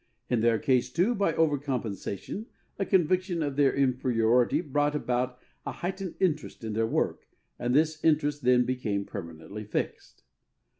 In their case, too, by over compensation a conviction of their inferiority brought about a heightened interest in their work and this interest then became permanently fixed.